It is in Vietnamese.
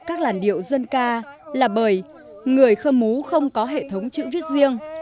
là lãnh điệu dân ca là bởi người khơ mú không có hệ thống chữ viết riêng